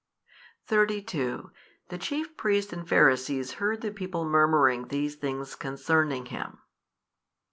|534 32 The chief priests and Pharisees heard the people murmuring these things concerning Him.